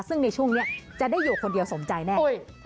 ซึ่งในช่วงนี้จะได้อยู่คนเดียวสมใจแน่